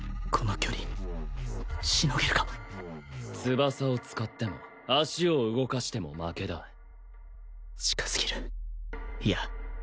この距離しのげるか翼を使っても足を動かしても負けだ近すぎるいや